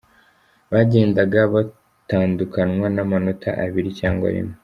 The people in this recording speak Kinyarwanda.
Bagendaga batandukanwa n’amanota abiri cyangwa rimwe.